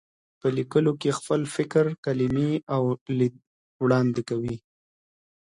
په لیکلو کې خپل فکر، کلمې او لید وړاندې کوي.